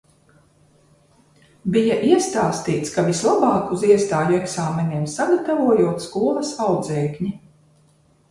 Bija iestāstīts, ka vislabāk uz iestāju eksāmeniem sagatavojot skolas audzēkņi.